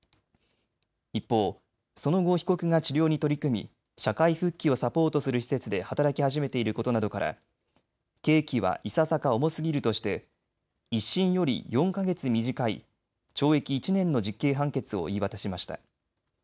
一方、その後、被告が治療に取り組み社会復帰をサポートする施設で働き始めていることなどから刑期はいささか重すぎるとして１審より４か月短い懲役１年の実刑判決を言い渡しました。